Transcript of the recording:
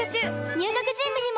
入学準備にも！